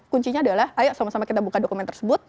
kuncinya adalah ayo sama sama kita buka dokumen tersebut